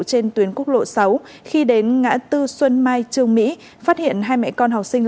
trên tuyến quốc lộ sáu khi đến ngã tư xuân mai trương mỹ phát hiện hai mẹ con học sinh